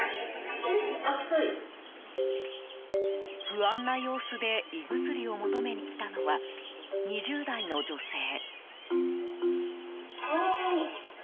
不安な様子で、胃薬を求めにきたのは２０代の女性。